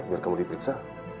biar kamu dipiksa